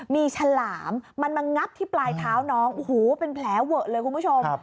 มีฉลามมันมางับที่ปลายเท้าน้องโอ้โหเป็นแผลเวอะเลยคุณผู้ชม